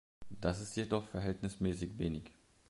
Das ist jedoch verhältnismäßig wenig.